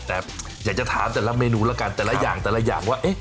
แต่อยากจะถามแต่ละเมนูแล้วกันแต่ละอย่างแต่ละอย่างว่า